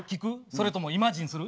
それともイマジンする？